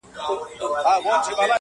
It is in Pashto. زخمي مي کوچۍ پېغلي دي د تېښتي له مزلونو،